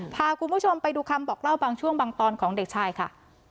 พาคุณผู้ชมไปดูคำบอกเล่าบางช่วงบางตอนของเด็กชายค่ะ